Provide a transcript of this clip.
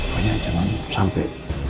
pokoknya jangan sampai